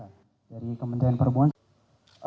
dari kementerian perhubungan